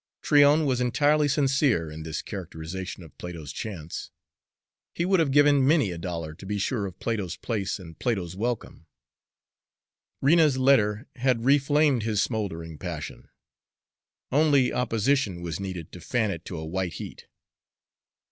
Tryon was entirely sincere in this characterization of Plato's chance; he would have given many a dollar to be sure of Plato's place and Plato's welcome. Rena's letter had re inflamed his smouldering passion; only opposition was needed to fan it to a white heat.